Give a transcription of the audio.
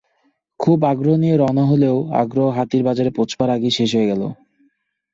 খুব আগ্রহ নিয়ে রওনা হলেও আগ্রহ হাতির বাজারে পৌঁছবার আগেই শেষ হয়ে গেল।